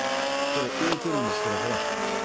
これ浮いてるんですほら。